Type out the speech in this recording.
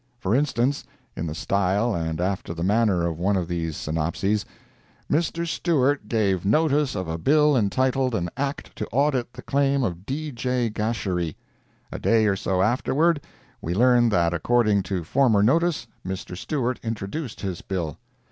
For instance, in the style and after the manner of one of these synopses: Mr. Stewart gave notice of a bill entitled an Act to audit the claim of D. J. Gasherie. A day or so afterward, we learn that according to former notice, Mr. Stewart introduced his bill.